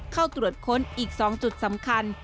เข้าตรวจค้นอีก๒จุดสำคัญ